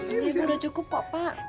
ini udah cukup pak